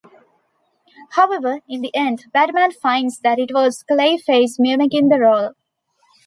However, in the end, Batman finds that it was Clayface mimicking the role.